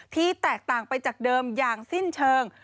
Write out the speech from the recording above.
แตกต่างไปจากเดิมอย่างสิ้นเชิง